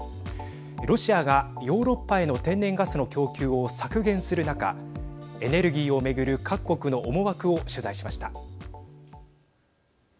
ロシアがヨーロッパへの天然ガスの供給を削減する中エネルギーを巡る各国の思惑を取材しました。